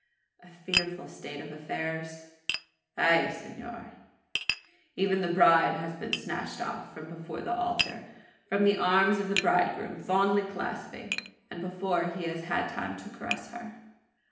"A fearful state of affairs!" "Ay senor! Even the bride has been snatched off, from before the altar from the arms of the bridegroom fondly clasping, and before he has had time to caress her!